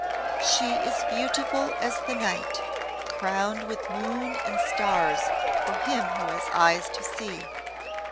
"She is beautiful as the night, crowned with moon and stars for him who has eyes to see.